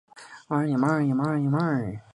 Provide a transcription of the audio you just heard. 西西莉亚是帕罗斯岛领主的女儿。